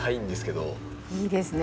いいですね。